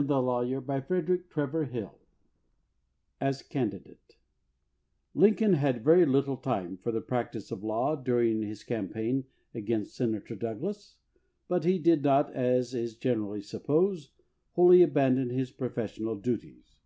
279 XXIV AS CANDIDATE LINCOLN had very little time for the practice ^ of the law during his campaign against Senator Douglas, but he did not, as is generally supposed, wholly abandon his professional duties.